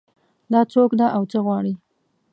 دا څوک ده او څه غواړي